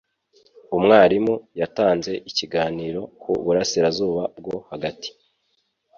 Umwarimu yatanze ikiganiro ku burasirazuba bwo hagati.